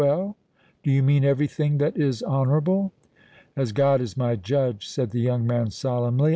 Well?—do you mean every thing that is honourable?" "As God is my judge," said the young man solemnly.